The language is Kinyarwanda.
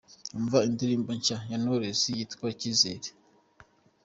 Umva indirimbo nshya ya Knowless yitwa ’Icyizere’ :.